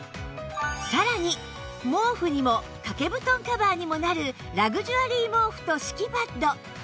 さらに毛布にも掛け布団カバーにもなるラグジュアリー毛布と敷きパッド